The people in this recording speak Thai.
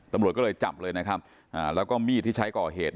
ตำรวจที่จำมีที่ใช้ก่อเหตุ